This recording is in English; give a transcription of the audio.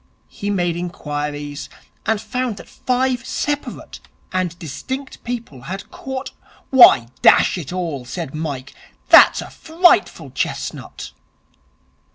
He made inquiries, and found that five separate and distinct people had caught ' 'Why, dash it all,' said Mike, 'that's a frightful chestnut.'